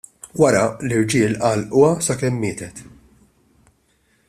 Wara, l-irġiel għallquha sakemm mietet.